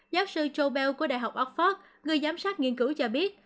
giáo sư joe bell của đại học oxford người giám sát nghiên cứu cho biết